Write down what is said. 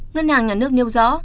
ngân hàng nhà nước nêu rõ